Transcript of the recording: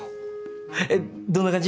えっどんな感じ？